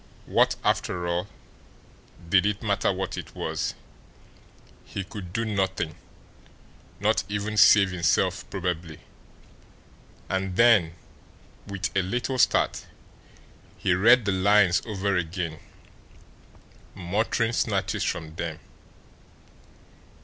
What, after all, did it matter what it was; he could do nothing not even save himself probably. And then, with a little start, he read the lines over again, muttering snatches from them.